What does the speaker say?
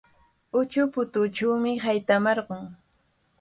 Utsuputuuchawmi haytamarqun.